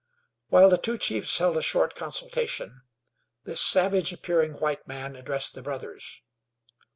While the two chiefs held a short consultation, this savage appearing white man addressed the brothers.